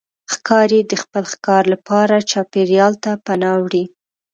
ښکاري د خپل ښکار لپاره چاپېریال ته پناه وړي.